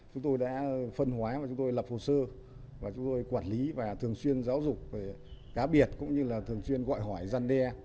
chúng tôi đã phân hóa và chúng tôi lập hồ sơ và chúng tôi quản lý và thường xuyên giáo dục về cá biệt cũng như là thường xuyên gọi hỏi gian đe